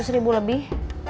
dua ratus ribu lebih